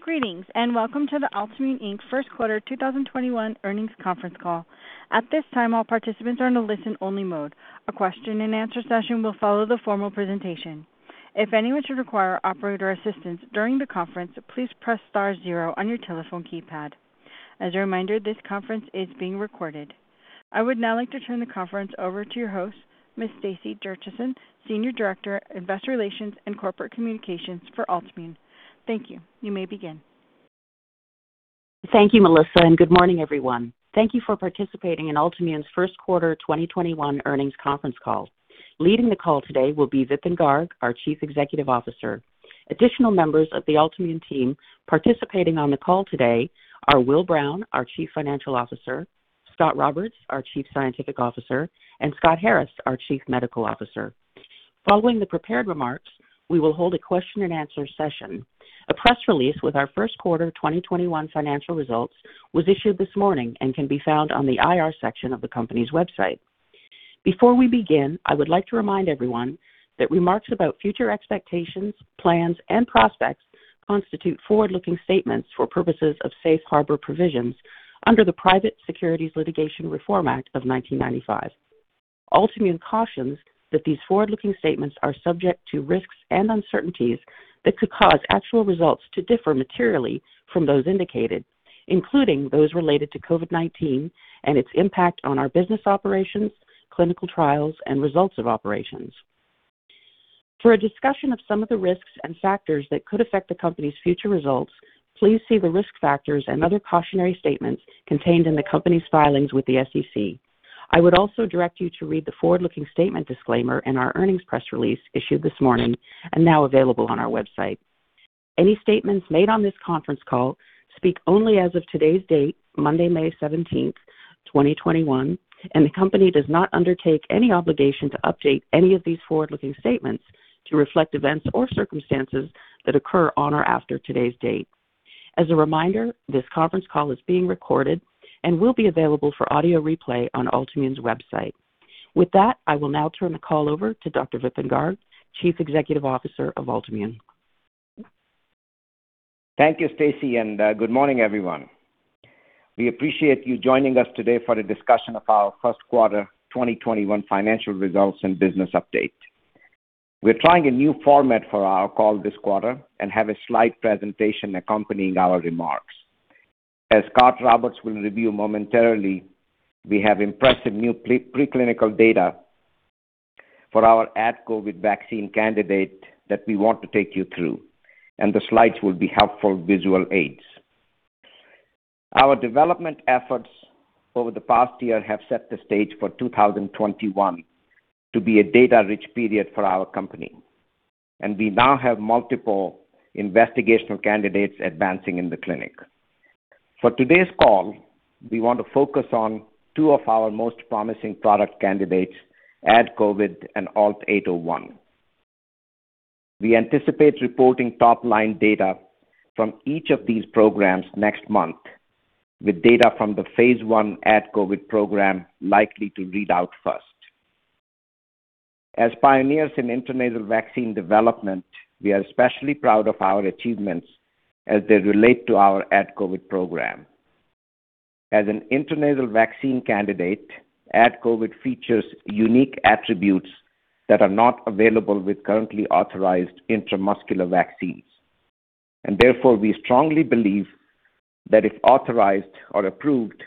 Greetings, and welcome to the Altimmune, Inc. first quarter 2021 earnings conference call. At this time, all participants are in a listen-only mode. A question and answer session will follow the formal presentation. If anyone should require operator assistance during the conference, please press star zero on your telephone keypad. As a reminder, this conference is being recorded. I would now like to turn the conference over to your host, Ms. Stacey Jurchison, Senior Director, Investor Relations and Corporate Communications for Altimmune. Thank you. You may begin. Thank you, Melissa. Good morning, everyone. Thank you for participating in Altimmune's First Quarter 2021 Earnings Conference Call. Leading the call today will be Vipin K. Garg, our Chief Executive Officer. Additional members of the Altimmune team participating on the call today are Will Brown, our Chief Financial Officer, Scot Roberts, our Chief Scientific Officer, and M. Scott Harris, our Chief Medical Officer. Following the prepared remarks, we will hold a question and answer session. A press release with our first quarter 2021 financial results was issued this morning and can be found on the IR section of the company's website. Before we begin, I would like to remind everyone that remarks about future expectations, plans, and prospects constitute forward-looking statements for purposes of safe harbor provisions under the Private Securities Litigation Reform Act of 1995. Altimmune cautions that these forward-looking statements are subject to risks and uncertainties that could cause actual results to differ materially from those indicated, including those related to COVID-19 and its impact on our business operations, clinical trials, and results of operations. For a discussion of some of the risks and factors that could affect the company's future results, please see the risk factors and other cautionary statements contained in the company's filings with the SEC. I would also direct you to read the forward-looking statement disclaimer in our earnings press release issued this morning and now available on our website. Any statements made on this conference call speak only as of today's date, Monday, May 17th, 2021, and the company does not undertake any obligation to update any of these forward-looking statements to reflect events or circumstances that occur on or after today's date. As a reminder, this conference call is being recorded and will be available for audio replay on Altimmune's website. With that, I will now turn the call over to Dr. Vipin Garg, Chief Executive Officer of Altimmune. Thank you, Stacey, and good morning, everyone. We appreciate you joining us today for a discussion of our first quarter 2021 financial results and business update. We're trying a new format for our call this quarter and have a slide presentation accompanying our remarks. As Scot Roberts will review momentarily, we have impressive new pre-clinical data for our AdCOVID vaccine candidate that we want to take you through, and the slides will be helpful visual aids. Our development efforts over the past year have set the stage for 2021 to be a data-rich period for our company, and we now have multiple investigational candidates advancing in the clinic. For today's call, we want to focus on two of our most promising product candidates, AdCOVID and ALT-801. We anticipate reporting top-line data from each of these programs next month, with data from the phase I AdCOVID program likely to read out first. As pioneers in intranasal vaccine development, we are especially proud of our achievements as they relate to our AdCOVID program. As an intranasal vaccine candidate, AdCOVID features unique attributes that are not available with currently authorized intramuscular vaccines, therefore, we strongly believe that if authorized or approved,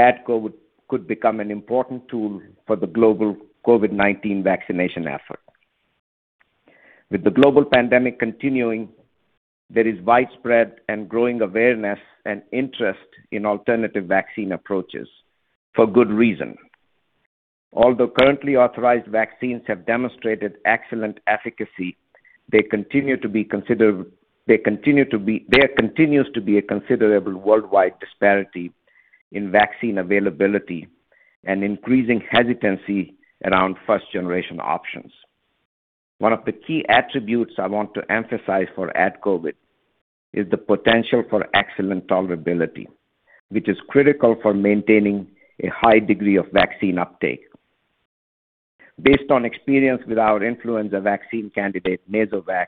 AdCOVID could become an important tool for the global COVID-19 vaccination effort. With the global pandemic continuing, there is widespread and growing awareness and interest in alternative vaccine approaches for good reason. Although currently authorized vaccines have demonstrated excellent efficacy, there continues to be a considerable worldwide disparity in vaccine availability and increasing hesitancy around first-generation options. One of the key attributes I want to emphasize for AdCOVID is the potential for excellent tolerability, which is critical for maintaining a high degree of vaccine uptake. Based on experience with our influenza vaccine candidate, NasoVAX,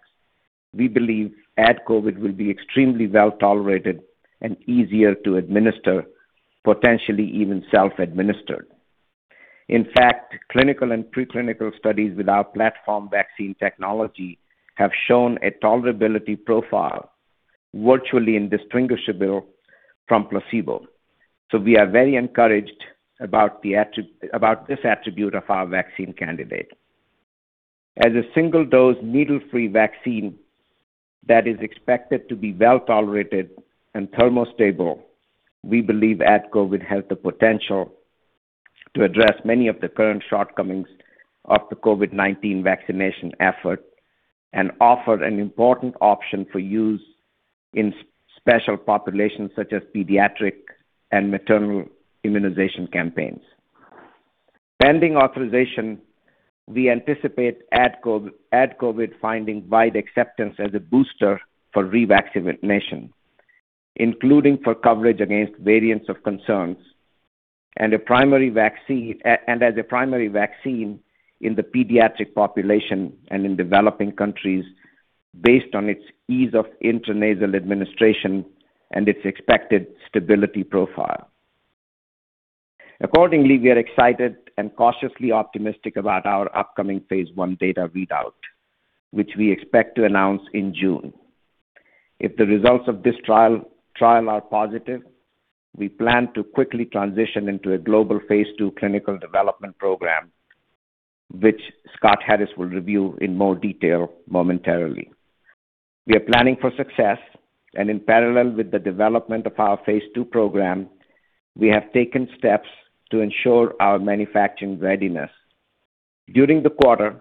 we believe AdCOVID will be extremely well-tolerated and easier to administer, potentially even self-administered. In fact, clinical and pre-clinical studies with our platform vaccine technology have shown a tolerability profile virtually indistinguishable from placebo. We are very encouraged about this attribute of our vaccine candidate. As a single-dose, needle-free vaccine that is expected to be well-tolerated and thermostable, we believe AdCOVID has the potential to address many of the current shortcomings of the COVID-19 vaccination effort and offer an important option for use in special populations such as pediatric and maternal immunization campaigns. Pending authorization, we anticipate AdCOVID finding wide acceptance as a booster for revaccination, including for coverage against variants of concern. As a primary vaccine in the pediatric population and in developing countries based on its ease of intranasal administration and its expected stability profile. Accordingly, we are excited and cautiously optimistic about our upcoming phase I data readout, which we expect to announce in June. If the results of this trial are positive, we plan to quickly transition into a global phase II clinical development program, which Scott Harris will review in more detail momentarily. We are planning for success. In parallel with the development of our phase II program, we have taken steps to ensure our manufacturing readiness. During the quarter,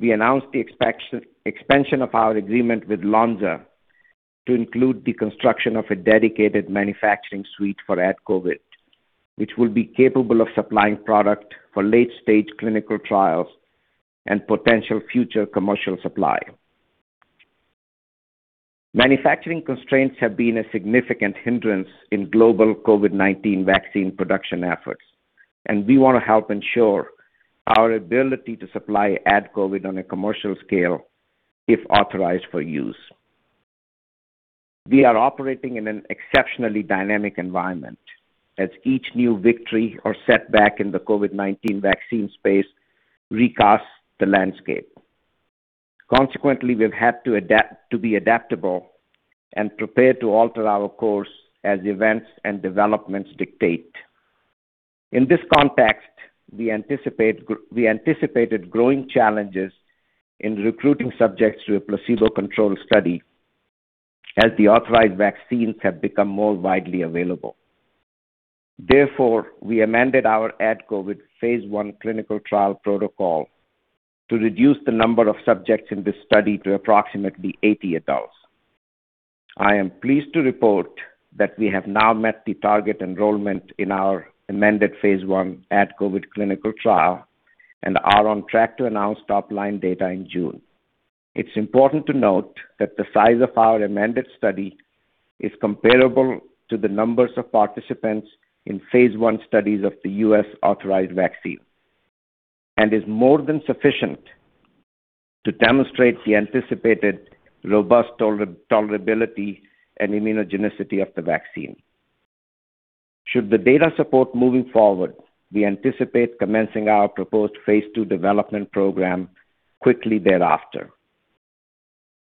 we announced the expansion of our agreement with Lonza to include the construction of a dedicated manufacturing suite for AdCOVID, which will be capable of supplying product for late-stage clinical trials and potential future commercial supply. Manufacturing constraints have been a significant hindrance in global COVID-19 vaccine production efforts, and we want to help ensure our ability to supply AdCOVID on a commercial scale if authorized for use. We are operating in an exceptionally dynamic environment, as each new victory or setback in the COVID-19 vaccine space recasts the landscape. Consequently, we've had to be adaptable and prepare to alter our course as events and developments dictate. In this context, we anticipated growing challenges in recruiting subjects to a placebo-controlled study as the authorized vaccines have become more widely available. Therefore, we amended our AdCOVID phase I clinical trial protocol to reduce the number of subjects in this study to approximately 80 adults. I am pleased to report that we have now met the target enrollment in our amended phase I AdCOVID clinical trial and are on track to announce top-line data in June. It's important to note that the size of our amended study is comparable to the numbers of participants in phase I studies of the US-authorized vaccine and is more than sufficient to demonstrate the anticipated robust tolerability and immunogenicity of the vaccine. Should the data support moving forward, we anticipate commencing our proposed phase II development program quickly thereafter.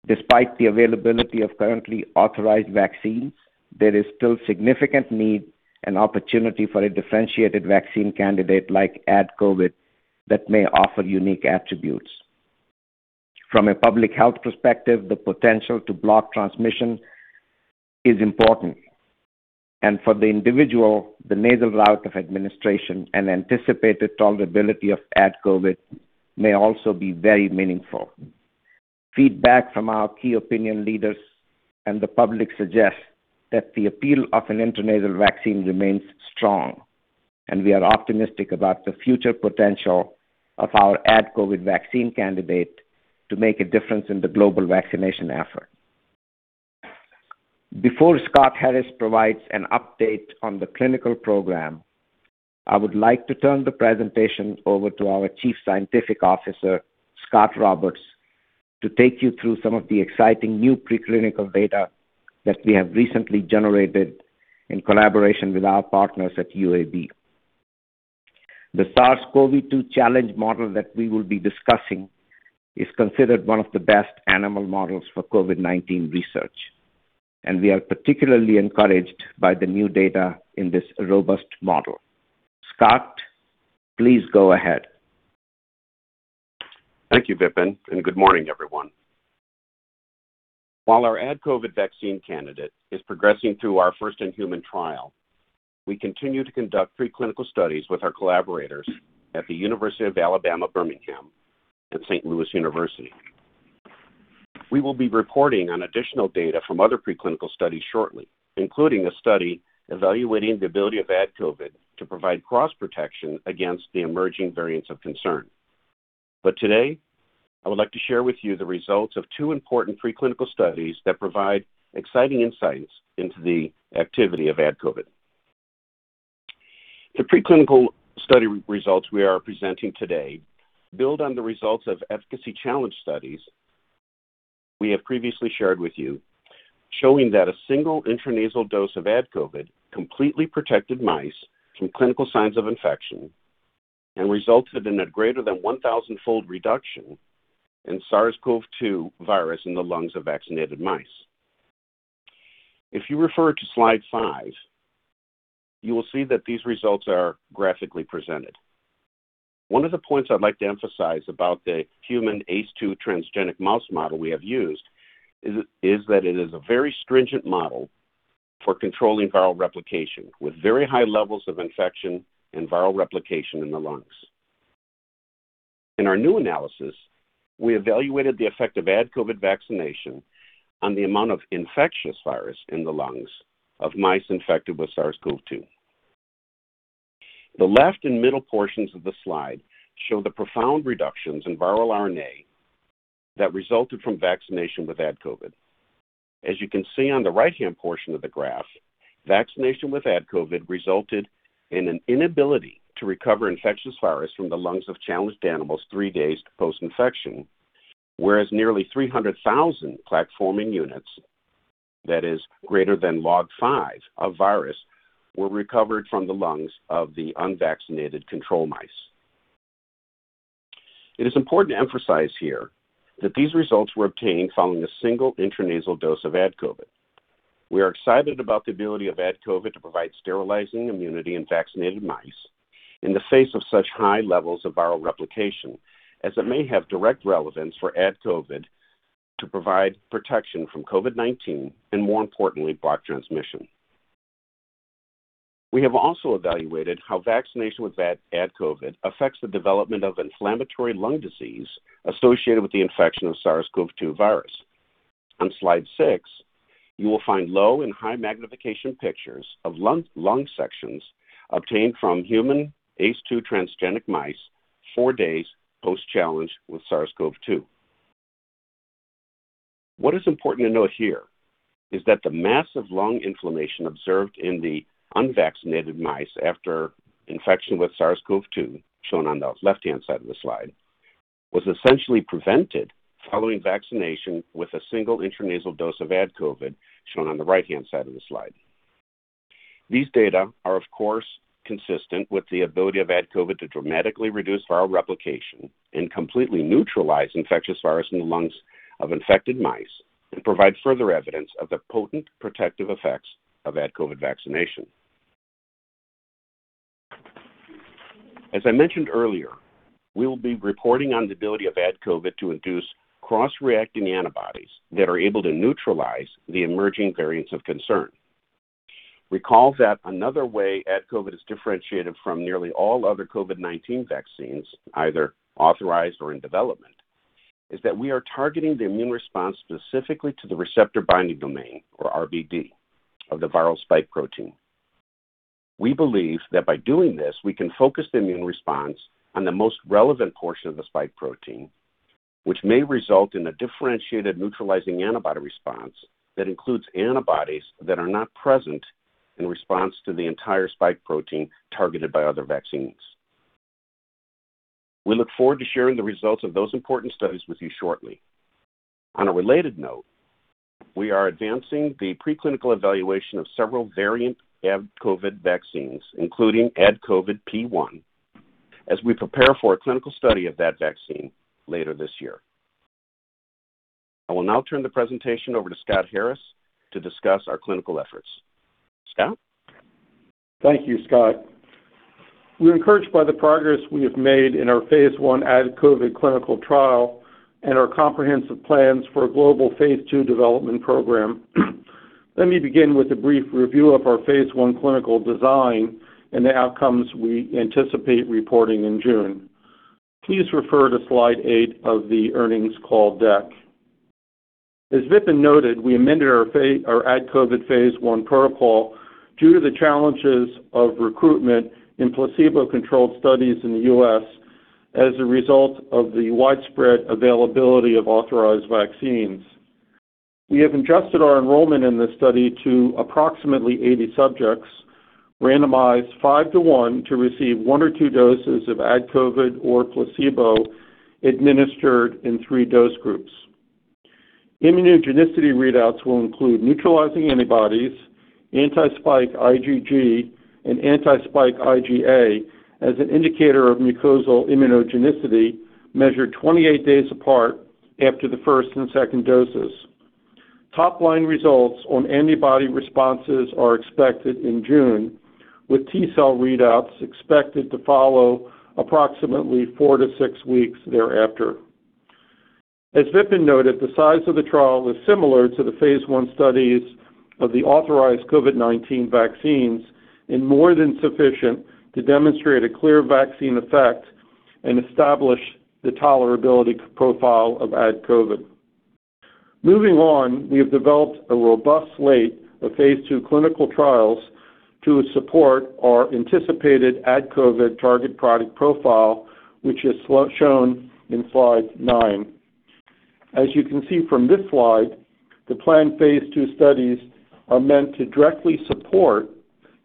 Despite the availability of currently authorized vaccines, there is still significant need and opportunity for a differentiated vaccine candidate like AdCOVID that may offer unique attributes. From a public health perspective, the potential to block transmission is important, and for the individual, the nasal route of administration and anticipated tolerability of AdCOVID may also be very meaningful. Feedback from our key opinion leaders and the public suggests that the appeal of an intranasal vaccine remains strong, and we are optimistic about the future potential of our AdCOVID vaccine candidate to make a difference in the global vaccination effort. Before Scott Harris provides an update on the clinical program, I would like to turn the presentation over to our Chief Scientific Officer, Scot Roberts, to take you through some of the exciting new preclinical data that we have recently generated in collaboration with our partners at UAB. The SARS-CoV-2 challenge model that we will be discussing is considered one of the best animal models for COVID-19 research, and we are particularly encouraged by the new data in this robust model. Scot, please go ahead. Thank you, Vipin, good morning, everyone. While our AdCOVID vaccine candidate is progressing through our first-in-human trial, we continue to conduct preclinical studies with our collaborators at the University of Alabama at Birmingham and Saint Louis University. We will be reporting on additional data from other preclinical studies shortly, including a study evaluating the ability of AdCOVID to provide cross-protection against the emerging variants of concern. Today, I would like to share with you the results of two important preclinical studies that provide exciting insights into the activity of AdCOVID. The preclinical study results we are presenting today build on the results of efficacy challenge studies we have previously shared with you, showing that a single intranasal dose of AdCOVID completely protected mice from clinical signs of infection and resulted in a greater than 1,000-fold reduction in SARS-CoV-2 virus in the lungs of vaccinated mice. If you refer to slide five, you will see that these results are graphically presented. One of the points I'd like to emphasize about the hACE2-transgenic mouse model we have used is that it is a very stringent model for controlling viral replication, with very high levels of infection and viral replication in the lungs. In our new analysis, we evaluated the effect of AdCOVID vaccination on the amount of infectious virus in the lungs of mice infected with SARS-CoV-2. The left and middle portions of the slide show the profound reductions in viral RNA that resulted from vaccination with AdCOVID. As you can see on the right-hand portion of the graph, vaccination with AdCOVID resulted in an inability to recover infectious virus from the lungs of challenged animals three days post-infection, whereas nearly 300,000 plaque-forming units, that is greater than Log 5 of virus, were recovered from the lungs of the unvaccinated control mice. It is important to emphasize here that these results were obtained following a single intranasal dose of AdCOVID. We are excited about the ability of AdCOVID to provide sterilizing immunity in vaccinated mice in the face of such high levels of viral replication, as it may have direct relevance for AdCOVID to provide protection from COVID-19, and more importantly, block transmission. We have also evaluated how vaccination with AdCOVID affects the development of inflammatory lung disease associated with the infection of SARS-CoV-2 virus. On slide six, you will find low and high magnification pictures of lung sections obtained from human ACE2 transgenic mice four days post-challenge with SARS-CoV-2. What is important to note here is that the massive lung inflammation observed in the unvaccinated mice after infection with SARS-CoV-2, shown on the left-hand side of the slide, was essentially prevented following vaccination with a single intranasal dose of AdCOVID, shown on the right-hand side of the slide. These data are, of course, consistent with the ability of AdCOVID to dramatically reduce viral replication and completely neutralize infectious virus in the lungs of infected mice and provide further evidence of the potent protective effects of AdCOVID vaccination. As I mentioned earlier, we'll be reporting on the ability of AdCOVID to induce cross-reacting antibodies that are able to neutralize the emerging variants of concern. Recall that another way AdCOVID is differentiated from nearly all other COVID-19 vaccines, either authorized or in development, is that we are targeting the immune response specifically to the receptor binding domain, or RBD, of the viral spike protein. We believe that by doing this, we can focus the immune response on the most relevant portion of the spike protein, which may result in a differentiated neutralizing antibody response that includes antibodies that are not present in response to the entire spike protein targeted by other vaccines. We look forward to sharing the results of those important studies with you shortly. On a related note, we are advancing the preclinical evaluation of several variant AdCOVID vaccines, including AdCOVID P.1, as we prepare for a clinical study of that vaccine later this year. I will now turn the presentation over to Scott Harris to discuss our clinical efforts. Scott? Thank you, Scot. We're encouraged by the progress we have made in our phase I AdCOVID clinical trial and our comprehensive plans for a global phase II development program. Let me begin with a brief review of our phase I clinical design and the outcomes we anticipate reporting in June. Please refer to slide eight of the earnings call deck. As Vipin noted, we amended our AdCOVID phase I protocol due to the challenges of recruitment in placebo-controlled studies in the U.S. as a result of the widespread availability of authorized vaccines. We have adjusted our enrollment in this study to approximately 80 subjects, randomized 5:1, to receive one or two doses of AdCOVID or placebo administered in three dose groups. Immunogenicity readouts will include neutralizing antibodies, anti-spike IgG, and anti-spike IgA as an indicator of mucosal immunogenicity measured 28 days apart after the first and second doses. Top-line results on antibody responses are expected in June, with T-cell readouts expected to follow approximately four to six weeks thereafter. As Vipin noted, the size of the trial is similar to the phase I studies of the authorized COVID-19 vaccines and more than sufficient to demonstrate a clear vaccine effect and establish the tolerability profile of AdCOVID. Moving on, we have developed a robust slate of phase II clinical trials to support our anticipated AdCOVID target product profile, which is shown in slide nine. As you can see from this slide, the planned phase II studies are meant to directly support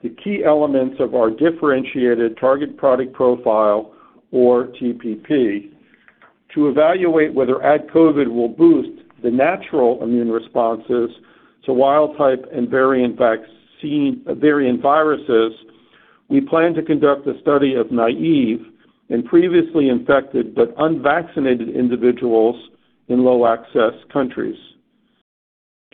the key elements of our differentiated Target Product Profile, or TPP. To evaluate whether AdCOVID will boost the natural immune responses to wild type and variant viruses, we plan to conduct a study of naive in previously infected but unvaccinated individuals in low-access countries.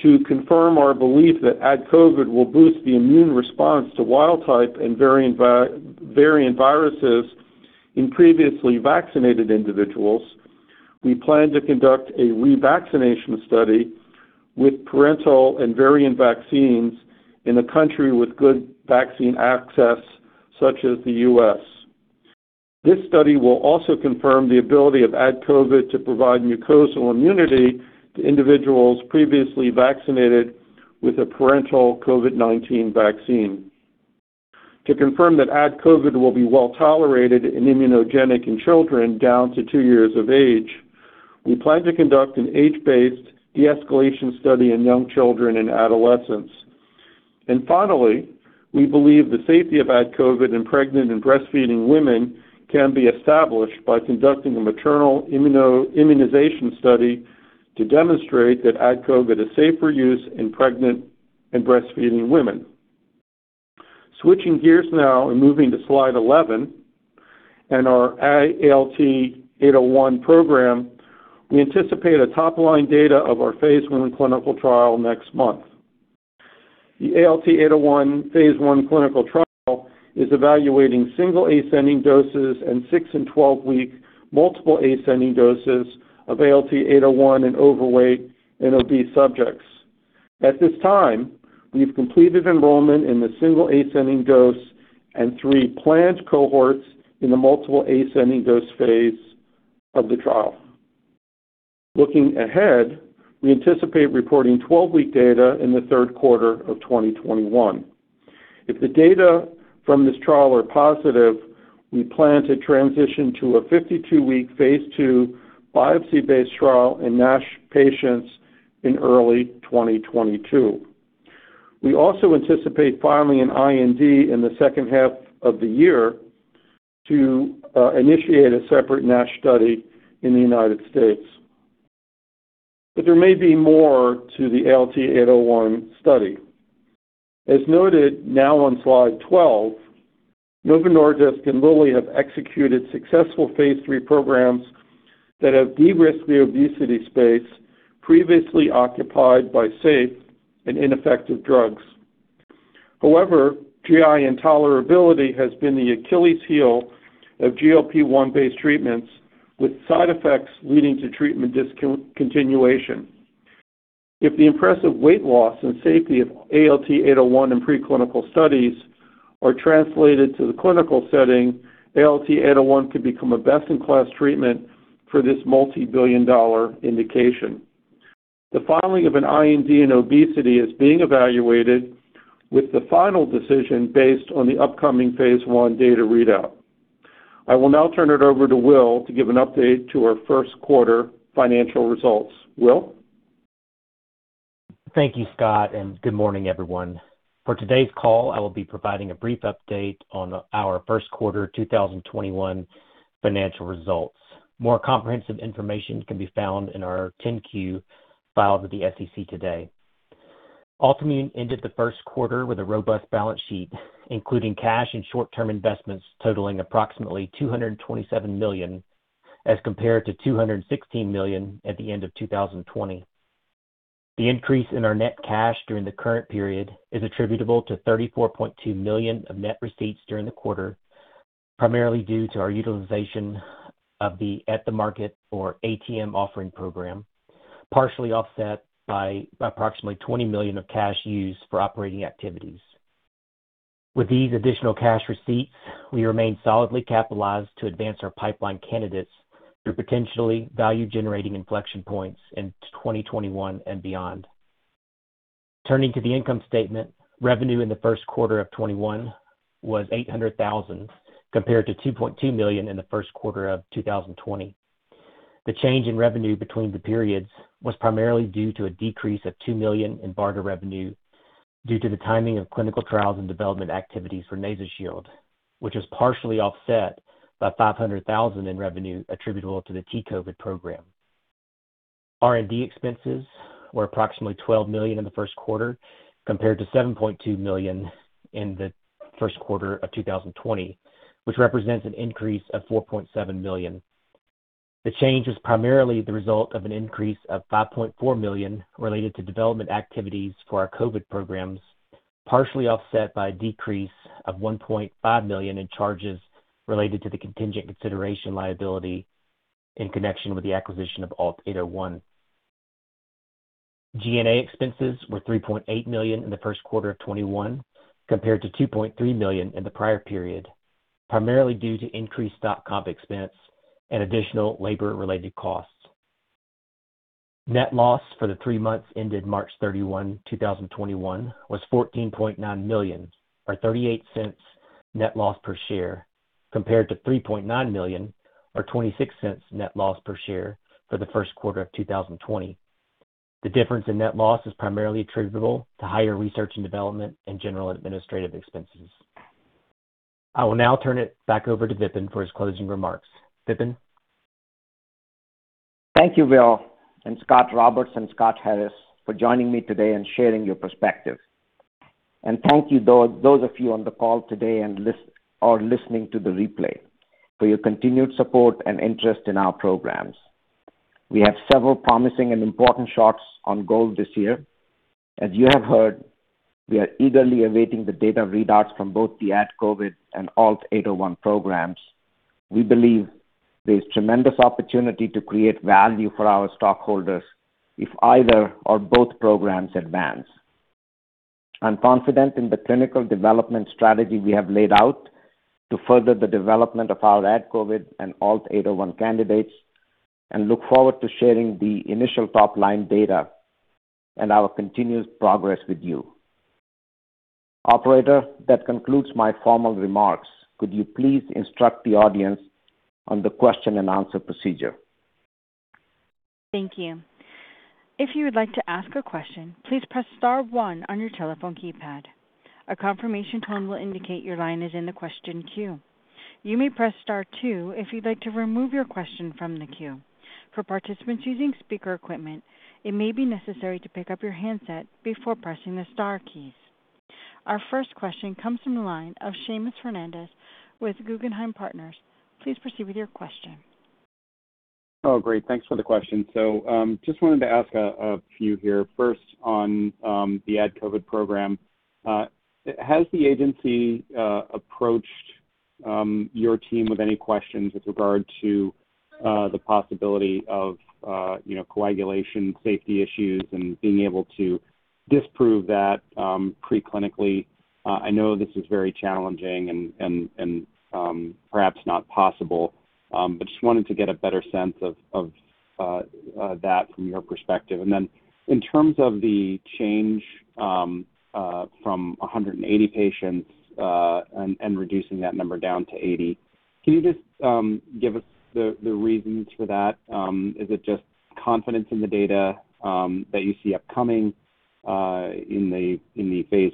To confirm our belief that AdCOVID will boost the immune response to wild type and variant viruses in previously vaccinated individuals, we plan to conduct a revaccination study with parental and variant vaccines in a country with good vaccine access, such as the U.S. This study will also confirm the ability of AdCOVID to provide mucosal immunity to individuals previously vaccinated with a parental COVID-19 vaccine. To confirm that AdCOVID will be well-tolerated and immunogenic in children down to two years of age, we plan to conduct an age-based de-escalation study in young children and adolescents. Finally, we believe the safety of AdCOVID in pregnant and breastfeeding women can be established by conducting a maternal immunization study to demonstrate that AdCOVID is safe for use in pregnant and breastfeeding women. Switching gears now and moving to slide 11 and our ALT-801 program, we anticipate a top-line data of our phase I clinical trial next month. The ALT-801 phase I clinical trial is evaluating single ascending doses in six and 12-week multiple ascending doses of ALT-801 in overweight and obese subjects. At this time, we've completed enrollment in the single ascending dose and three planned cohorts in the multiple ascending dose phase of the trial. Looking ahead, we anticipate reporting 12-week data in the third quarter of 2021. If the data from this trial are positive, we plan to transition to a 52-week phase II biopsy-based trial in NASH patients in early 2022. We also anticipate filing an IND in the second half of the year to initiate a separate NASH study in the United States. There may be more to the ALT-801 study. As noted now on slide 12, Novo Nordisk and Lilly have executed successful phase III programs that have de-risked the obesity space previously occupied by safe and ineffective drugs. GI intolerability has been the Achilles heel of GLP-1 based treatments, with side effects leading to treatment discontinuation. If the impressive weight loss and safety of ALT-801 in preclinical studies are translated to the clinical setting, ALT-801 could become a best-in-class treatment for this multi-billion dollar indication. The filing of an IND in obesity is being evaluated with the final decision based on the upcoming phase I data readout. I will now turn it over to Will to give an update to our first quarter financial results. Will? Thank you, Scott, and good morning, everyone. For today's call, I will be providing a brief update on our first quarter 2021 financial results. More comprehensive information can be found in our 10-Q filed with the SEC today. Altimmune ended the first quarter with a robust balance sheet, including cash and short-term investments totaling approximately $227 million as compared to $216 million at the end of 2020. The increase in our net cash during the current period is attributable to $34.2 million of net receipts during the quarter, primarily due to our utilization of the at-the-market or ATM offering program, partially offset by approximately $20 million of cash used for operating activities. With these additional cash receipts, we remain solidly capitalized to advance our pipeline candidates through potentially value-generating inflection points in 2021 and beyond. Turning to the income statement, revenue in the first quarter of 2021 was $800,000, compared to $2.2 million in the first quarter of 2020. The change in revenue between the periods was primarily due to a decrease of $2 million in BARDA revenue due to the timing of clinical trials and development activities for NasoShield, which was partially offset by $500,000 in revenue attributable to the T-COVID program. R&D expenses were approximately $12 million in the first quarter, compared to $7.2 million in the first quarter of 2020, which represents an increase of $4.7 million. The change is primarily the result of an increase of $5.4 million related to development activities for our COVID programs, partially offset by a decrease of $1.5 million in charges related to the contingent consideration liability in connection with the acquisition of ALT-801. G&A expenses were $3.8 million in the first quarter of 2021, compared to $2.3 million in the prior period, primarily due to increased stock comp expense and additional labor-related costs. Net loss for the three months ended March 31, 2021, was $14.9 million, or $0.38 net loss per share, compared to $3.9 million, or $0.26 net loss per share for the first quarter of 2020. The difference in net loss is primarily attributable to higher research and development and general administrative expenses. I will now turn it back over to Vipin for his closing remarks. Vipin? Thank you, Will and Scot Roberts and Scott Harris for joining me today and sharing your perspective. Thank you those of you on the call today or listening to the replay for your continued support and interest in our programs. We have several promising and important shots on goal this year. As you have heard, we are eagerly awaiting the data readouts from both the AdCOVID and ALT-801 programs. We believe there's tremendous opportunity to create value for our stockholders if either or both programs advance. I'm confident in the clinical development strategy we have laid out to further the development of our AdCOVID and ALT-801 candidates and look forward to sharing the initial top-line data Our continued progress with you. Operator, that concludes my formal remarks. Could you please instruct the audience on the question and answer procedure? Thank you. If you would like to ask a question, please press star one on your telephone keypad. A confirmation tone will indicate your line is in the question queue. You may press star two if you'd like to remove your question from the queue. For participants using speaker equipment, it may be necessary to pick up your handset before pressing the star keys. Our first question comes from the line of Seamus Fernandez with Guggenheim Partners. Please proceed with your question. Oh, great. Thanks for the question. I just wanted to ask a few here. First on the AdCOVID program. Has the FDA approached your team with any questions with regard to the possibility of coagulation safety issues and being able to disprove that pre-clinically? I know this is very challenging and perhaps not possible. I just wanted to get a better sense of that from your perspective. In terms of the change from 180 patients and reducing that number down to 80, can you just give us the reasons for that? Is it just confidence in the data that you see upcoming in the phase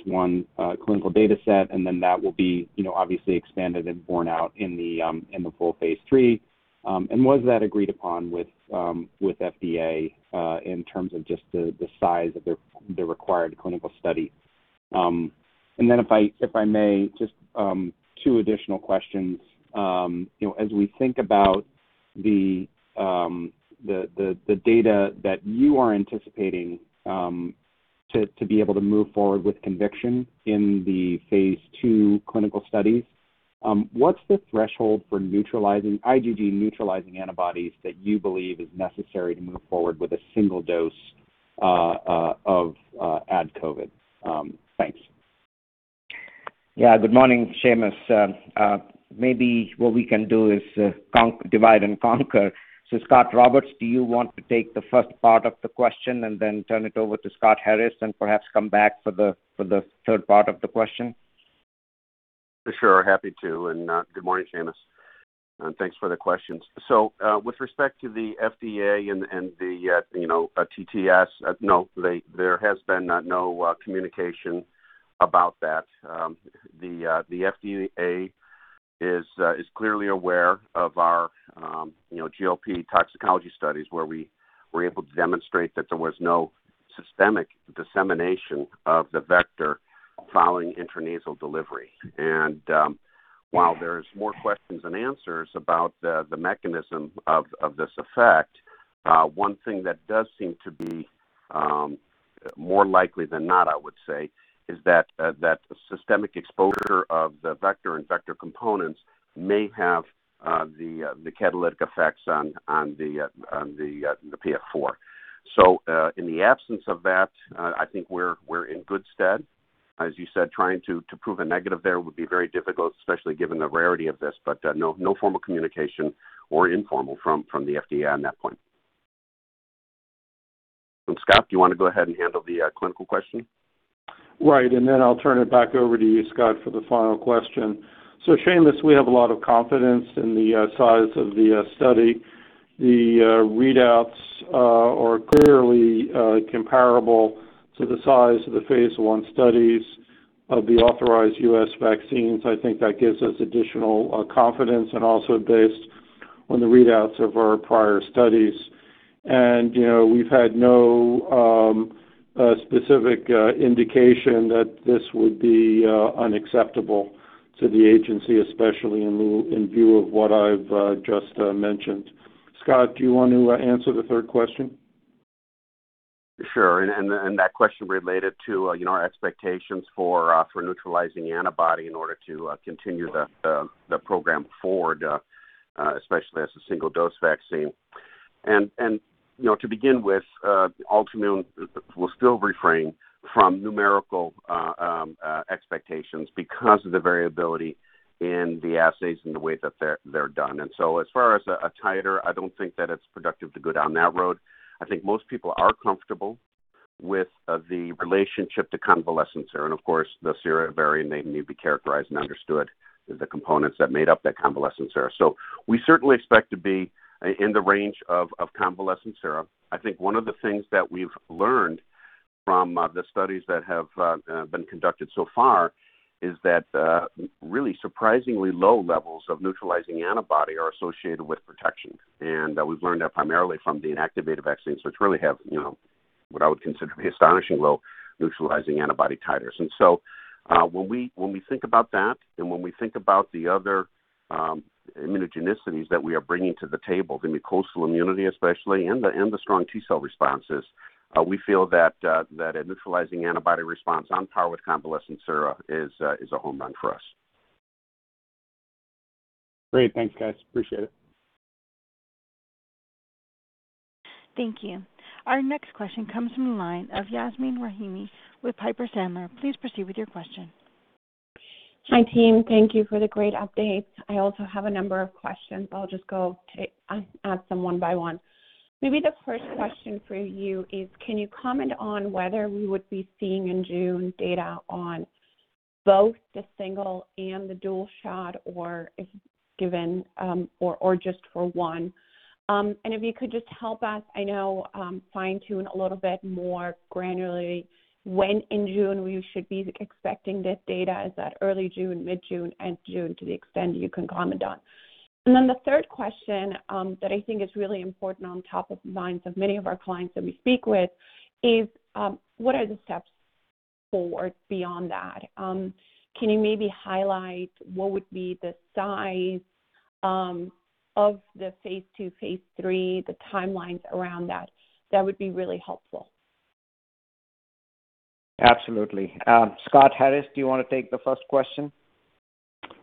I clinical data set, and then that will be obviously expanded and borne out in the full phase III? Was that agreed upon with FDA in terms of just the size of the required clinical study? If I may, just two additional questions. As we think about the data that you are anticipating to be able to move forward with conviction in the phase II clinical studies, what's the threshold for IgG neutralizing antibodies that you believe is necessary to move forward with a single dose of AdCOVID? Thanks. Yeah. Good morning, Seamus. Maybe what we can do is divide and conquer. Scot Roberts, do you want to take the first part of the question and then turn it over to Scott Harris, and perhaps come back for the third part of the question? For sure. Happy to. Good morning, Seamus, and thanks for the questions. With respect to the FDA and the TTS, no, there has been no communication about that. The FDA is clearly aware of our GLP toxicology studies where we were able to demonstrate that there was no systemic dissemination of the vector following intranasal delivery. While there's more questions than answers about the mechanism of this effect, one thing that does seem to be more likely than not, I would say, is that systemic exposure of the vector and vector components may have the catalytic effects on the PF4. In the absence of that, I think we're in good stead. As you said, trying to prove a negative there would be very difficult, especially given the rarity of this, but no formal communication or informal from the FDA on that point. Scott, do you want to go ahead and handle the clinical question? Right. Then I'll turn it back over to you, Scot, for the final question. Seamus, we have a lot of confidence in the size of the study. The readouts are clearly comparable to the size of the phase I studies of the authorized U.S. vaccines. I think that gives us additional confidence, and also based on the readouts of our prior studies. We've had no specific indication that this would be unacceptable to the agency, especially in view of what I've just mentioned. Scot, do you want to answer the third question? Sure. That question related to our expectations for neutralizing antibody in order to continue the program forward, especially as a single dose vaccine. To begin with, Altimmune will still refrain from numerical expectations because of the variability in the assays and the way that they're done. So as far as a titer, I don't think that it's productive to go down that road. I think most people are comfortable with the relationship to convalescent sera. Of course, the sera vary and they need to be characterized and understood, the components that made up that convalescent sera. So we certainly expect to be in the range of convalescent sera. I think one of the things that we've learned from the studies that have been conducted so far is that really surprisingly low levels of neutralizing antibody are associated with protection. We've learned that primarily from the inactivated vaccines, which really have what I would consider astonishing low neutralizing antibody titers. When we think about that and when we think about the other immunogenicities that we are bringing to the table, the mucosal immunity especially and the strong T-cell responses, we feel that a neutralizing antibody response on par with convalescent sera is a home run for us. Great. Thanks, guys. Appreciate it. Thank you. Our next question comes from the line of Yasmeen Rahimi with Piper Sandler. Please proceed with your question. Hi team. Thank you for the great updates. I also have a number of questions. I'll just go to ask them one by one. Maybe the first question for you is, can you comment on whether we would be seeing in June data on both the single and the dual shot, or if given, or just for one? If you could just help us, I know, fine-tune a little bit more granularly when in June we should be expecting this data. Is that early June, mid-June, and June to the extent you can comment on? The third question that I think is really important on top of minds of many of our clients that we speak with is what are the steps forward beyond that? Can you maybe highlight what would be the size of the phase II, phase III, the timelines around that? That would be really helpful. Absolutely. Scott Harris, do you want to take the first question?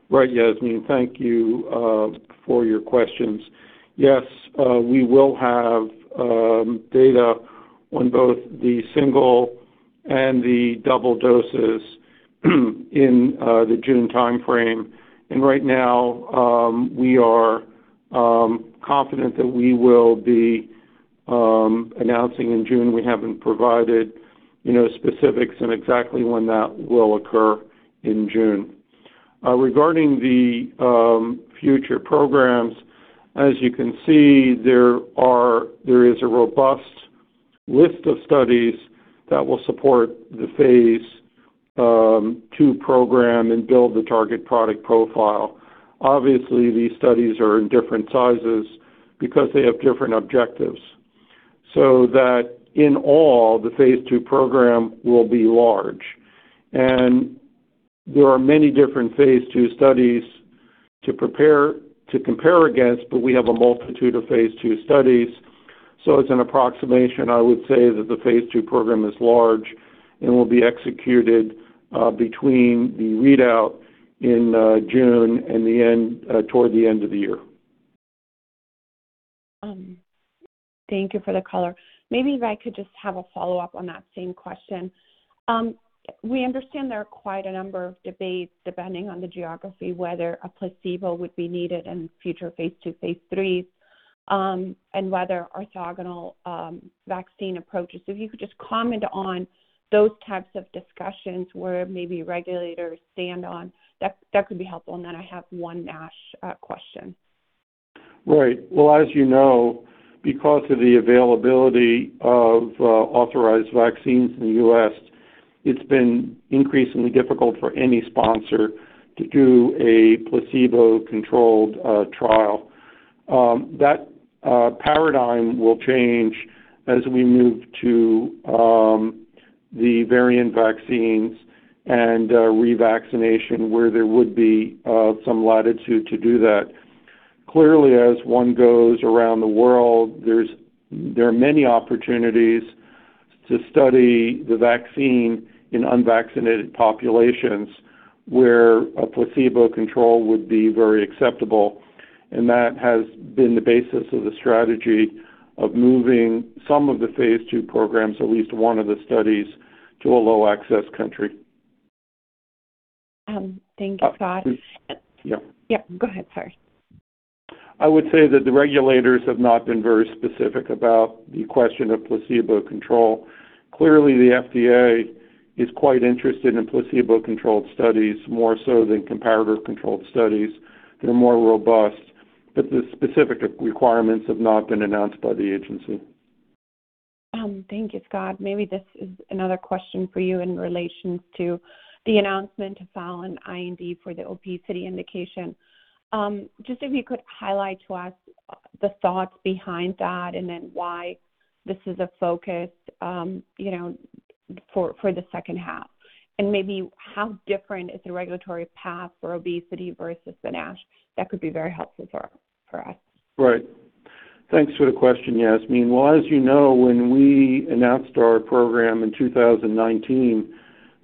Right, Yasmeen. Thank you for your questions. Yes, we will have data on both the single and the double doses in the June timeframe. Right now, we are confident that we will be announcing in June. We haven't provided specifics on exactly when that will occur in June. Regarding the future programs, as you can see, there is a robust list of studies that will support the phase II program and build the target product profile. Obviously, these studies are in different sizes because they have different objectives, so that in all, the phase II program will be large. There are many different phase II studies to compare against, but we have a multitude of phase II studies, so as an approximation, I would say that the phase II program is large and will be executed between the readout in June and toward the end of the year. Thank you for the color. Maybe if I could just have a follow-up on that same question. We understand there are quite a number of debates depending on the geography, whether a placebo would be needed in future phase II, phase IIIs, and whether orthogonal vaccine approaches. If you could just comment on those types of discussions where maybe regulators stand on, that could be helpful. Then I have one NASH question. Well, as you know, because of the availability of authorized vaccines in the U.S., it's been increasingly difficult for any sponsor to do a placebo-controlled trial. That paradigm will change as we move to the variant vaccines and revaccination, where there would be some latitude to do that. Clearly, as one goes around the world, there are many opportunities to study the vaccine in unvaccinated populations where a placebo control would be very acceptable. That has been the basis of the strategy of moving some of the phase II programs, at least one of the studies, to a low-access country. Thank you, Scott. Yeah. Yeah, go ahead. Sorry. I would say that the regulators have not been very specific about the question of placebo control. Clearly, the FDA is quite interested in placebo-controlled studies, more so than comparator-controlled studies. They're more robust, but the specific requirements have not been announced by the agency. Thank you, Scott. Maybe this is another question for you in relations to the announcement to file an IND for the obesity indication. Just if you could highlight to us the thoughts behind that, then why this is a focus for the second half. Maybe how different is the regulatory path for obesity versus the NASH? That could be very helpful for us. Right. Thanks for the question, Yasmeen. Well, as you know, when we announced our program in 2019,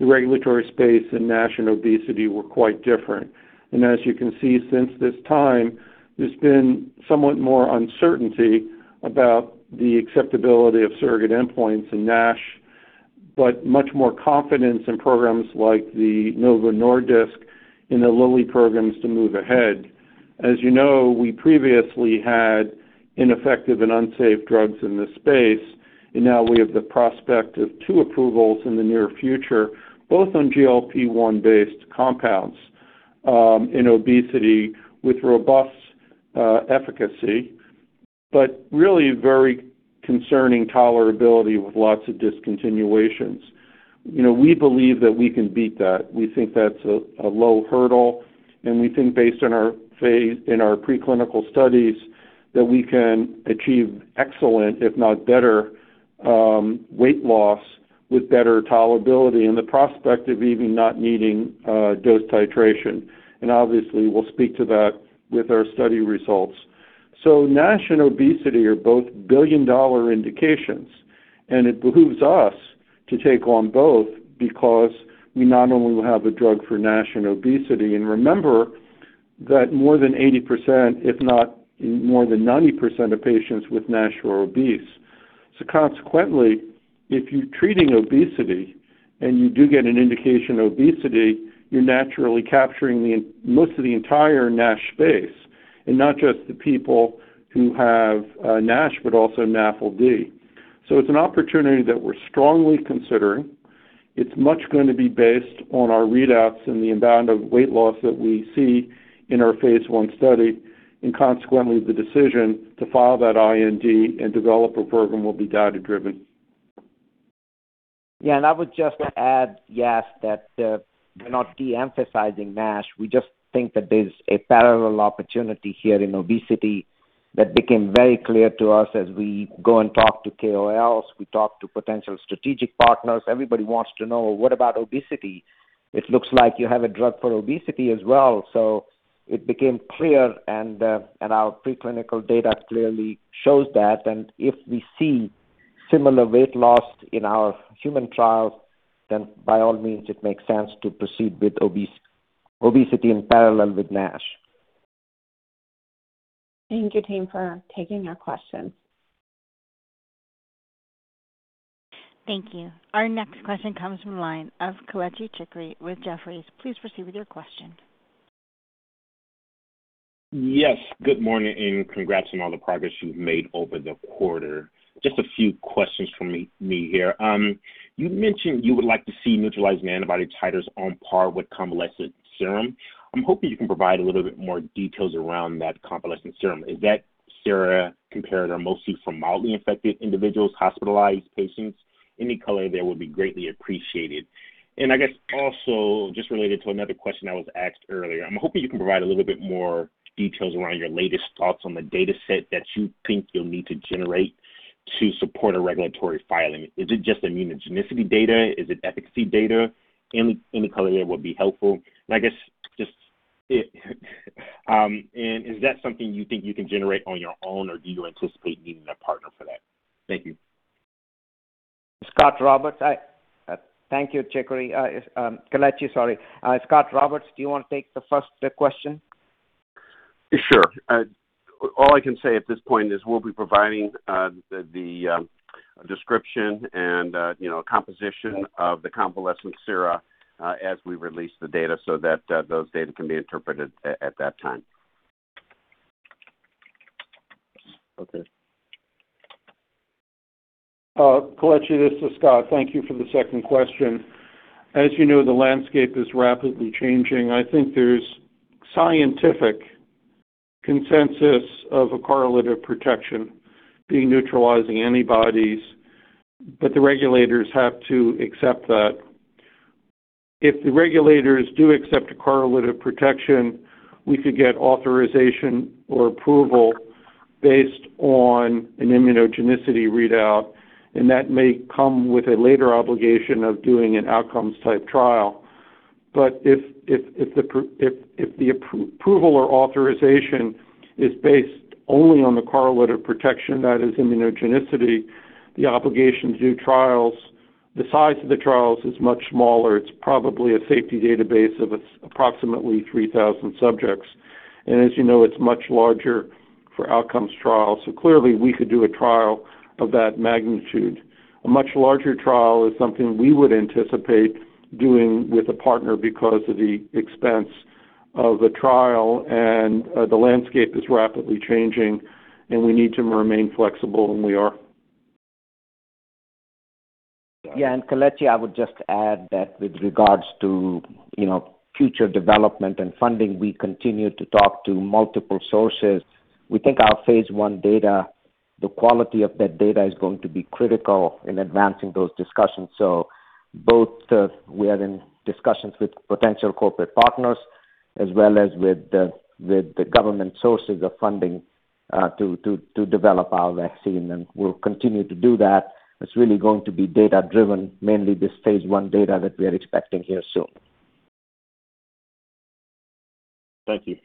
the regulatory space in NASH and obesity were quite different. As you can see since this time, there's been somewhat more uncertainty about the acceptability of surrogate endpoints in NASH, but much more confidence in programs like the Novo Nordisk and the Lilly programs to move ahead. As you know, we previously had ineffective and unsafe drugs in this space, now we have the prospect of two approvals in the near future, both on GLP-1 based compounds in obesity with robust efficacy, but really very concerning tolerability with lots of discontinuations. We believe that we can beat that. We think that's a low hurdle, we think based on our phase in our preclinical studies that we can achieve excellent, if not better weight loss with better tolerability and the prospect of even not needing dose titration. Obviously, we'll speak to that with our study results. NASH obesity are both billion-dollar indications, and it behooves us to take on both because we not only will have a drug for NASH obesity, and remember that more than 80%, if not more than 90% of patients with NASH are obese. Consequently, if you're treating obesity and you do get an indication of obesity, you're naturally capturing most of the entire NASH space, and not just the people who have NASH, but also NAFLD. It's an opportunity that we're strongly considering. It's much going to be based on our readouts and the amount of weight loss that we see in our phase I study, and consequently, the decision to file that IND and develop a program will be data-driven. I would just add, yes, that we're not de-emphasizing NASH. We just think that there's a parallel opportunity here in obesity that became very clear to us as we go and talk to KOLs, we talk to potential strategic partners. Everybody wants to know, what about obesity? It looks like you have a drug for obesity as well. It became clear our pre-clinical data clearly shows that. If we see similar weight loss in our human trials, by all means it makes sense to proceed with obesity in parallel with NASH. Thank you team for taking our questions. Thank you. Our next question comes from the line of Kelechi Chikere with Jefferies. Please proceed with your question. Yes, good morning. Congrats on all the progress you've made over the quarter. Just a few questions from me here. You mentioned you would like to see neutralizing antibody titers on par with convalescent serum. I'm hoping you can provide a little bit more details around that convalescent serum. Is that sera compared are mostly from mildly infected individuals, hospitalized patients? Any color there would be greatly appreciated. I guess also just related to another question that was asked earlier, I'm hoping you can provide a little bit more details around your latest thoughts on the data set that you think you'll need to generate to support a regulatory filing. Is it just immunogenicity data? Is it efficacy data? Any color there would be helpful. I guess, just is that something you think you can generate on your own or do you anticipate needing a partner for that? Thank you. Thank you, Kelechi Chikere. Scot Roberts, do you want to take the first question? Sure. All I can say at this point is we'll be providing the description and composition of the convalescent sera as we release the data so that those data can be interpreted at that time. Okay. Kelechi, this is Scott. Thank you for the second question. As you know, the landscape is rapidly changing. I think there's scientific consensus of a correlate of protection being neutralizing antibodies, but the regulators have to accept that. If the regulators do accept a correlate of protection, we could get authorization or approval based on an immunogenicity readout, and that may come with a later obligation of doing an outcomes-type trial. If the approval or authorization is based only on the correlate of protection, that is immunogenicity, the obligation to do trials, the size of the trials is much smaller. It's probably a safety database of approximately 3,000 subjects. As you know, it's much larger for outcomes trials. Clearly we could do a trial of that magnitude. A much larger trial is something we would anticipate doing with a partner because of the expense of the trial and the landscape is rapidly changing and we need to remain flexible and we are. Yeah. Kelechi, I would just add that with regards to future development and funding, we continue to talk to multiple sources. We think our phase I data, the quality of that data is going to be critical in advancing those discussions. Both we are in discussions with potential corporate partners as well as with the government sources of funding to develop our vaccine and we'll continue to do that. It's really going to be data-driven, mainly the phase I data that we are expecting here soon. Thank you.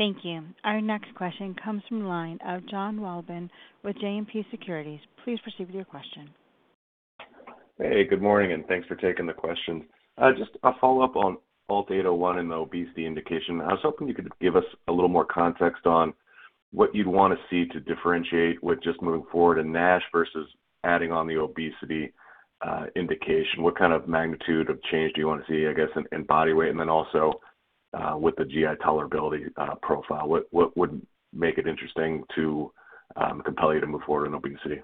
Thank you. Our next question comes from the line of Jonathan Wolleben with JMP Securities. Please proceed with your question. Hey, good morning and thanks for taking the question. Just a follow-up on ALT-801 and the obesity indication. I was hoping you could give us a little more context on what you'd want to see to differentiate with just moving forward in NASH versus adding on the obesity indication. What kind of magnitude of change do you want to see, I guess, in body weight? Then also with the GI tolerability profile, what would make it interesting to compel you to move forward in obesity?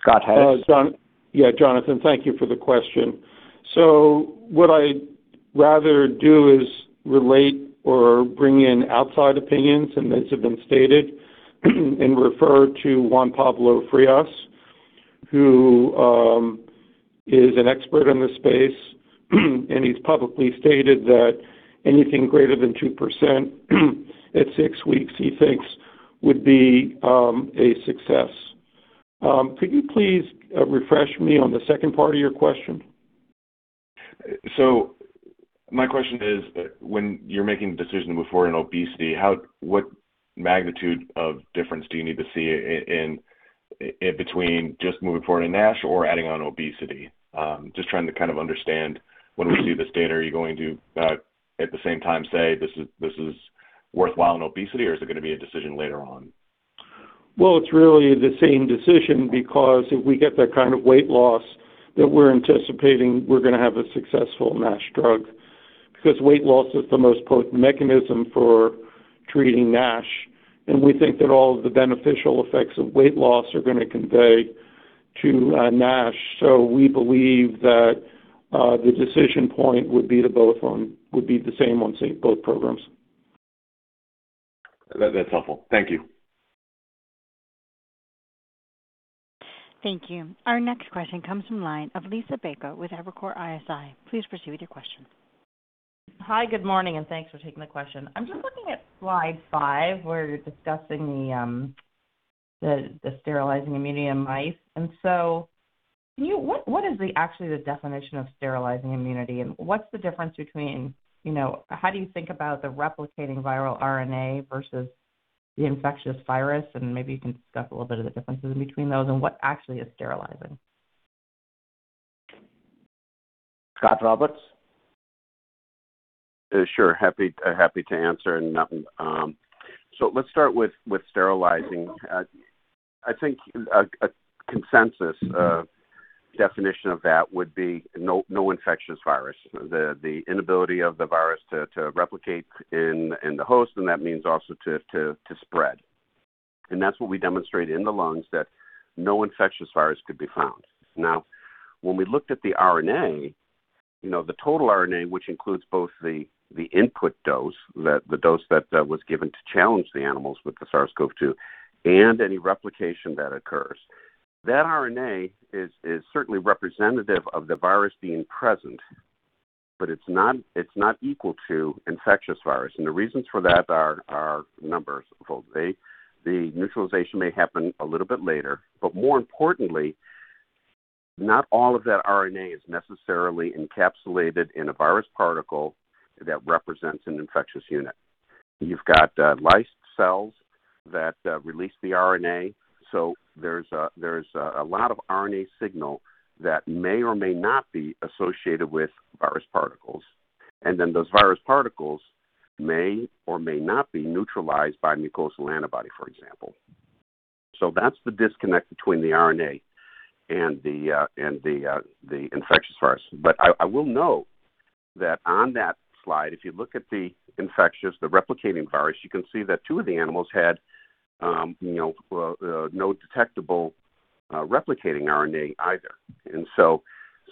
Scott? Jonathan, thank you for the question. What I'd rather do is relate or bring in outside opinions and those have been stated and refer to Juan Pablo Frías, who is an expert in the space, and he's publicly stated that anything greater than 2% at six weeks he thinks would be success. Could you please refresh me on the second part of your question? My question is when you're making a decision to move forward in obesity, what magnitude of difference do you need to see in Between just moving forward in NASH or adding on obesity, just trying to understand when we see this data, are you going to at the same time say, "This is worthwhile in obesity," or is it going to be a decision later on? Well, it's really the same decision because if we get the kind of weight loss that we're anticipating, we're going to have a successful NASH drug. Weight loss is the most potent mechanism for treating NASH, and we think that all of the beneficial effects of weight loss are going to convey to NASH. We believe that the decision point would be the same on both programs. That's helpful. Thank you. Thank you. Our next question comes from the line of Liisa Bayko with Evercore ISI. Please proceed with your question. Hi, good morning. Thanks for taking my question. I'm just looking at slide five where you're discussing the sterilizing immunity in mice. What is actually the definition of sterilizing immunity? What's the difference between how do you think about the replicating viral RNA versus the infectious virus? Maybe you can discuss a little bit of the differences between those and what actually is sterilizing. Scot Roberts. Sure. Happy to answer. Let's start with sterilizing. I think a consensus definition of that would be no infectious virus, the inability of the virus to replicate in the host, and that means also to spread. That's what we demonstrated in the lungs, that no infectious virus could be found. When we looked at the RNA, the total RNA, which includes both the input dose, the dose that was given to challenge the animals with the SARS-CoV-2, and any replication that occurs. That RNA is certainly representative of the virus being present, but it's not equal to infectious virus. The reasons for that are numbers. The neutralization may happen a little bit later, but more importantly, not all of that RNA is necessarily encapsulated in a virus particle that represents an infectious unit. You've got lysed cells that release the RNA. There's a lot of RNA signal that may or may not be associated with virus particles, and then those virus particles may or may not be neutralized by mucosal antibody, for example. That's the disconnect between the RNA and the infectious virus. I will note that on that slide, if you look at the infectious, the replicating virus, you can see that two of the animals had no detectable replicating RNA either.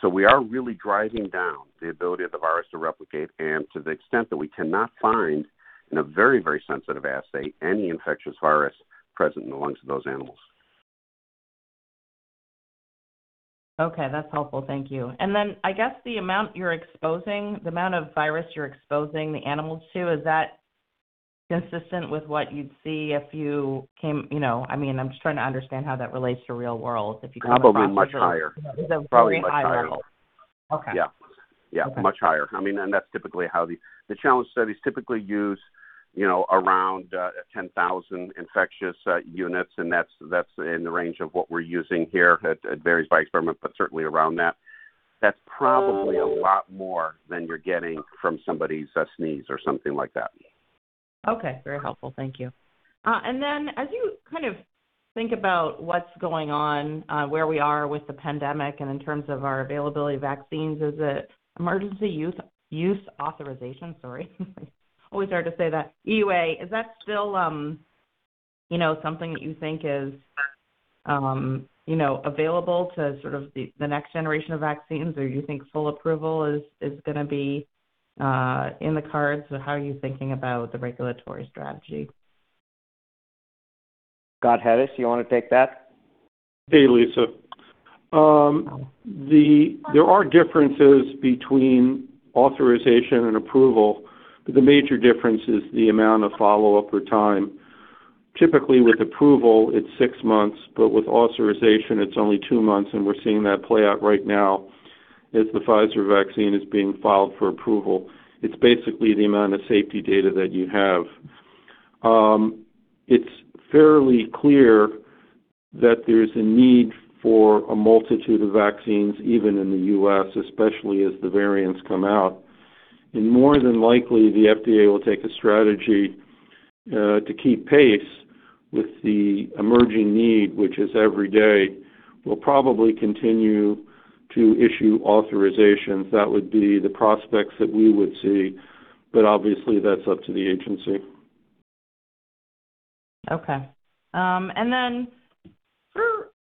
We are really driving down the ability of the virus to replicate, and to the extent that we cannot find in a very, very sensitive assay, any infectious virus present in the lungs of those animals. Okay, that's helpful. Thank you. I guess the amount of virus you're exposing the animals to, is that consistent with what you'd see? I'm just trying to understand how that relates to real world, if you can talk to that. Probably much higher. Probably higher. Probably much higher. Okay. Yeah. Much higher. The challenge studies typically use around 10,000 infectious units, and that's in the range of what we're using here. It varies by experiment, but certainly around that. That's probably a lot more than you're getting from somebody's sneeze or something like that. Okay. Very helpful. Thank you. As you think about what's going on, where we are with the pandemic and in terms of our availability of vaccines, is it emergency use authorization? Sorry. It's always hard to say that. Is that still something that you think is available to sort of the next generation of vaccines? Or do you think full approval is going to be in the cards? How are you thinking about the regulatory strategy? Scott Harris, you want to take that? Hey, Liisa. There are differences between authorization and approval, but the major difference is the amount of follow-up or time. Typically with approval, it's six months, but with authorization, it's only two months, and we're seeing that play out right now as the Pfizer vaccine is being filed for approval. It's basically the amount of safety data that you have. It's fairly clear that there's a need for a multitude of vaccines, even in the U.S., especially as the variants come out. More than likely, the FDA will take a strategy to keep pace with the emerging need, which is every day. We'll probably continue to issue authorizations. That would be the prospects that we would see, but obviously, that's up to the agency. Okay.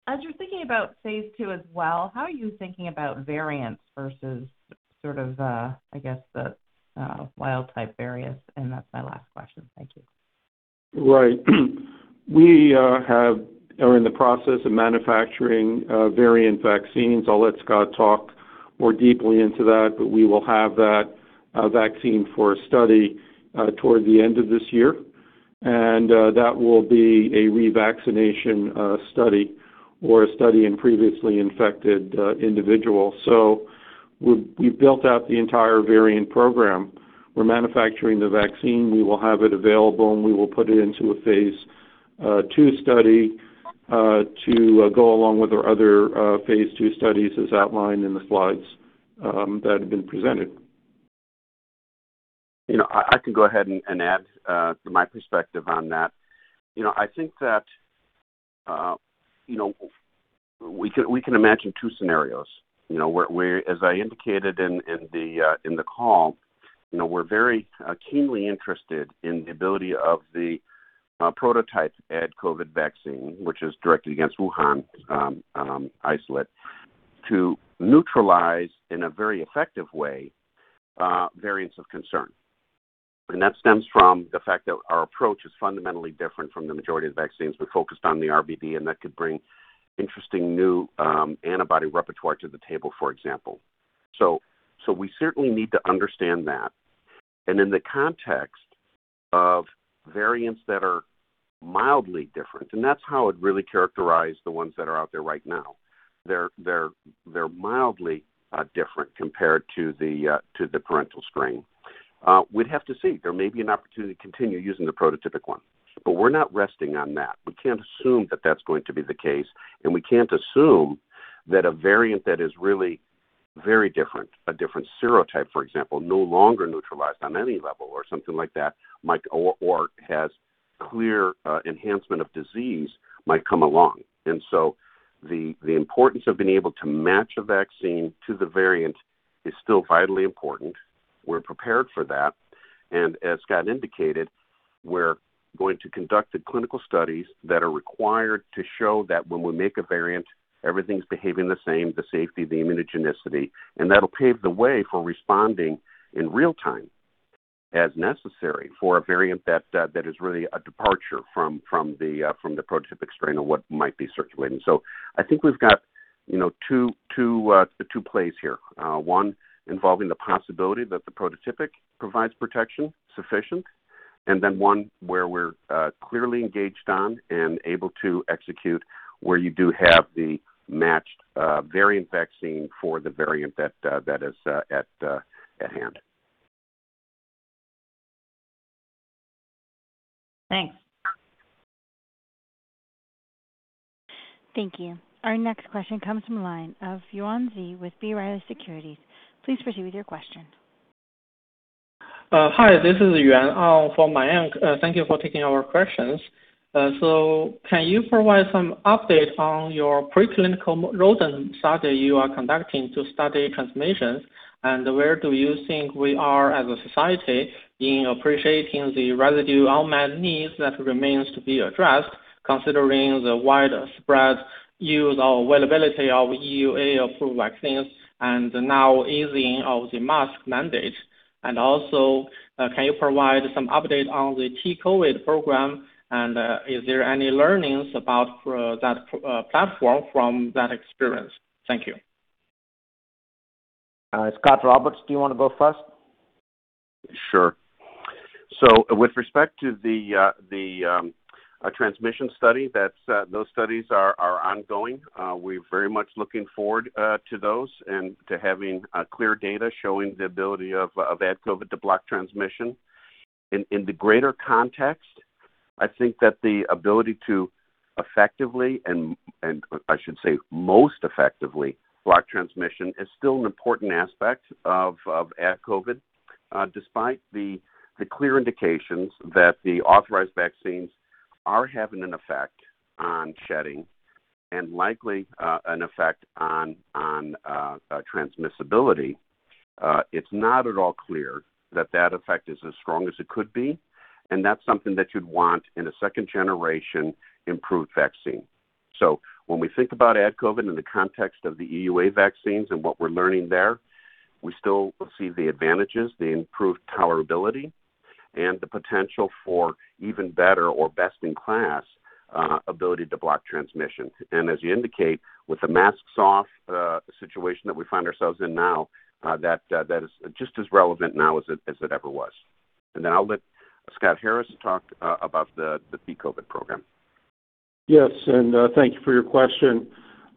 As you're thinking about phase II as well, how are you thinking about variants versus sort of the wild type variants? That's my last question. Thank you. Right. We are in the process of manufacturing variant vaccines. I'll let Scot talk more deeply into that, but we will have that vaccine for a study toward the end of this year, and that will be a revaccination study or a study in previously infected individuals. We built out the entire variant program. We're manufacturing the vaccine. We will have it available, we will put it into a phase II study to go along with our other phase II studies as outlined in the slides that have been presented. I can go ahead and add my perspective on that. I think that we can imagine two scenarios. As I indicated in the call, we're very keenly interested in the ability of the prototype AdCOVID vaccine, which is directed against Wuhan isolate, to neutralize, in a very effective way, variants of concern. That stems from the fact that our approach is fundamentally different from the majority of vaccines. We're focused on the RBD, that could bring interesting new antibody repertoire to the table, for example. We certainly need to understand that. In the context of variants that are mildly different, and that's how I'd really characterize the ones that are out there right now. They're mildly different compared to the parental strain. We'd have to see. There may be an opportunity to continue using the prototypic one, but we're not resting on that. We can't assume that that's going to be the case, and we can't assume that a variant that is really very different, a different serotype, for example, no longer neutralized on any level or something like that, or has clear enhancement of disease might come along. The importance of being able to match a vaccine to the variant is still vitally important. We're prepared for that. As Scott indicated, we're going to conduct the clinical studies that are required to show that when we make a variant, everything's behaving the same, the safety, the immunogenicity, and that'll pave the way for responding in real time as necessary for a variant that is really a departure from the prototypic strain or what might be circulating. I think we've got the two plays here. One involving the possibility that the prototypic provides protection sufficient, and then one where we're clearly engaged on and able to execute where you do have the matched variant vaccine for the variant that is at hand. Thanks. Thank you. Our next question comes from the line of Yuan Zhi with B. Riley Securities. Please proceed with your question. Hi, this is Yuan from B. Riley. Thank you for taking our questions. Can you provide some updates on your preclinical rodent study you are conducting to study transmissions? Where do you think we are as a society in appreciating the residual unmet needs that remains to be addressed considering the widespread use or availability of EUA-approved vaccines and now easing of the mask mandate? Can you provide some update on the T-COVID program, and is there any learnings about that platform from that experience? Thank you. Scot Roberts, do you want to go first? Sure. With respect to the transmission study, those studies are ongoing. We're very much looking forward to those and to having clear data showing the ability of AdCOVID to block transmission. In the greater context, I think that the ability to effectively, and I should say most effectively, block transmission is still an important aspect of AdCOVID. Despite the clear indications that the authorized vaccines are having an effect on shedding and likely an effect on transmissibility, it's not at all clear that that effect is as strong as it could be. That's something that you'd want in a second-generation improved vaccine. When we think about AdCOVID in the context of the EUA vaccines and what we're learning there, we still see the advantages, the improved tolerability, and the potential for even better or best-in-class ability to block transmission. As you indicate, with the masks-off situation that we find ourselves in now, that is just as relevant now as it ever was. Now let Scott Harris talk about the T-COVID program. Thank you for your question.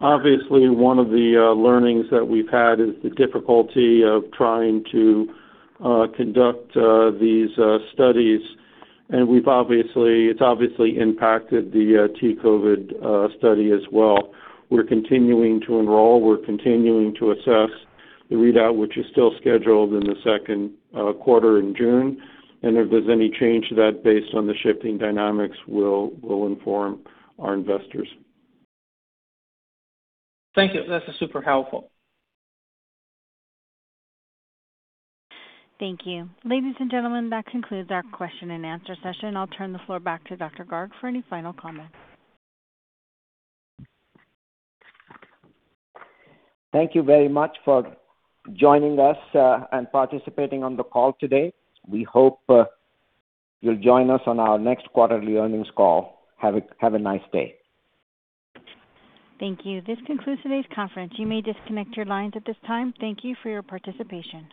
Obviously, one of the learnings that we've had is the difficulty of trying to conduct these studies, and it's obviously impacted the T-COVID study as well. We're continuing to enroll, we're continuing to assess the readout, which is still scheduled in the second quarter in June. If there's any change to that based on the shifting dynamics, we'll inform our investors. Thank you. That's super helpful. Thank you. Ladies and gentlemen, that concludes our question and answer session. I'll turn the floor back to Dr. Garg for any final comments. Thank you very much for joining us and participating on the call today. We hope you'll join us on our next quarterly earnings call. Have a nice day. Thank you. This concludes today's conference. You may disconnect your lines at this time. Thank you for your participation.